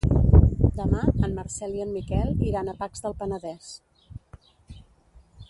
Demà en Marcel i en Miquel iran a Pacs del Penedès.